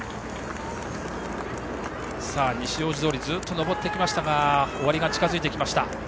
西大路通ずっと上ってきましたが終わりが近づいてきました。